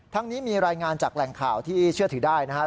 นี้มีรายงานจากแหล่งข่าวที่เชื่อถือได้นะครับ